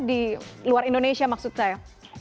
di luar indonesia maksud saya